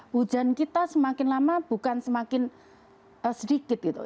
hujan kita semakin lama bukan semakin sedikit gitu